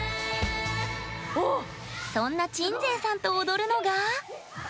そんな鎮西さんと踊るのが。